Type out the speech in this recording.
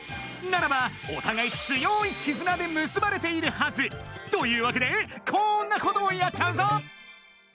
ならばおたがい強い絆でむすばれているはず！というわけでこんなことをやっちゃうぞ！